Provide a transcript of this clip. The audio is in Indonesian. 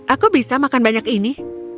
aku bisa makan banyak ini